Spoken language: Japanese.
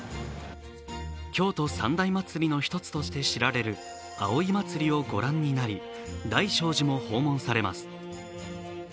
京都三大祭りの一つとして知られる葵祭をご覧になり、大聖寺も訪問されます。